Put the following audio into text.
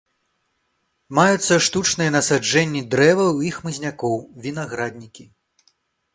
Маюцца штучныя насаджэнні дрэваў і хмызнякоў, вінаграднікі.